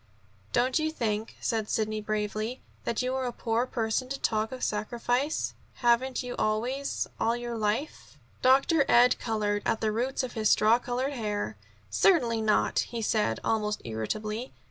"Don't you think," said Sidney bravely, "that you are a poor person to talk of sacrifice? Haven't you always, all your life " Dr. Ed colored to the roots of his straw colored hair. "Certainly not," he said almost irritably.